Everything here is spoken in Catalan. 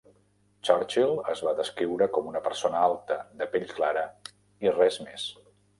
Churchill es va descriure com una persona alta, de pell clara i res més.